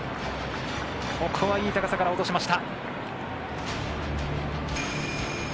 ここはいい高さから落としました。